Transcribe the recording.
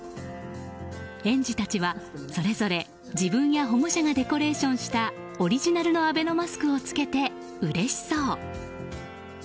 園児たちは、それぞれ自分や保護者がデコレーションしたオリジナルのアベノマスクを着けてうれしそう。